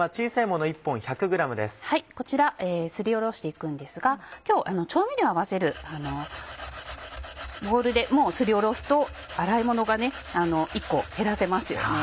こちらすりおろして行くんですが今日調味料を合わせるボウルですりおろすと洗い物が１個減らせますよね。